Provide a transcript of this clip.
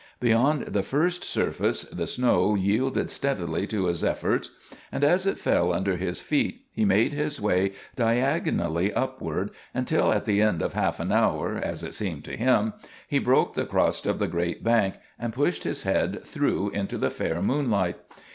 Beyond the first surface the snow yielded readily to his efforts; and as it fell under his feet he made his way diagonally upward until at the end of half an hour, as it seemed to him, he broke the crust of the great bank and pushed his head through into the fair moonlight.